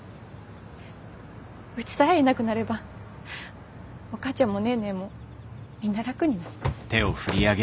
うちさえいなくなればお母ちゃんもネーネーもみんな楽になる。